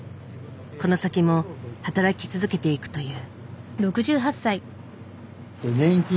この先も働き続けていくという。